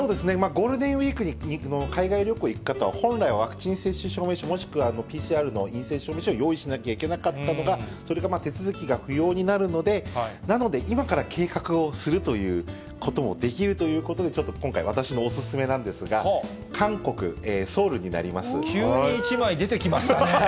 ゴールデンウィークに海外旅行行く方は本来はワクチン接種証明書、もしくはＰＣＲの陰性証明書を用意しなきゃいけなかったのが、それが手続きが不要になるので、なので、今から計画をするということもできるということで、ちょっと今回、私のお勧めなんで急に１枚出てきましたね。